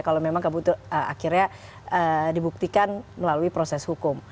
kalau memang kebutuhan akhirnya dibuktikan melalui proses hukum